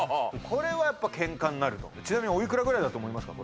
これはやっぱケンカになるとちなみにおいくらぐらいだと思いますか？